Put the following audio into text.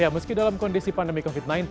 meski dalam kondisi pandemi covid sembilan belas